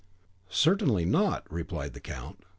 "Certainly not," replied the count.